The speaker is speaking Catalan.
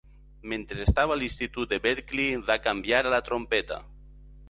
Mentre estava a l'institut de Berkeley, va canviar a la trompeta.